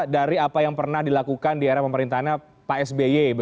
dari apa yang pernah dilakukan di era pemerintahnya pak sby